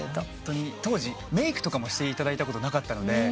当時メークとかもしていただいたことなかったので。